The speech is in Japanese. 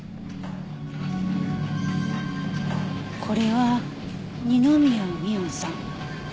これは二宮美音さん？